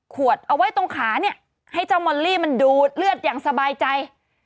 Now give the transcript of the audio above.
ขวดเอาไว้ตรงขาเนี่ยให้เจ้ามอลลี่มันดูดเลือดอย่างสบายใจ